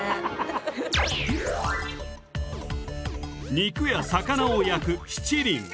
肉や魚を焼く七輪。